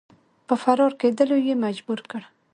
په فرار کېدلو یې مجبور کړ.